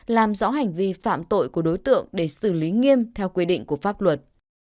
làm rõ hành vi phạm tội của đối tượng để xử lý nghiêm theo quy định của pháp luật